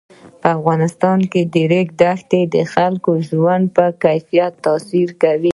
په افغانستان کې د ریګ دښتې د خلکو د ژوند په کیفیت تاثیر کوي.